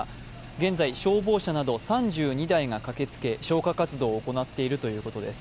現在消防車など３２台が駆けつけ消火活動を行っているということです。